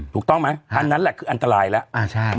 ถูกต้องไหมอันนั้นแหละคืออันตรายแล้ว